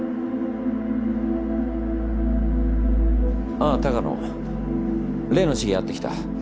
あっ鷹野例の市議会ってきた。